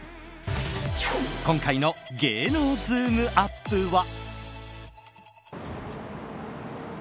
今回の芸能ズームＵＰ！は。